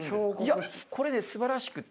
いやこれねすばらしくて。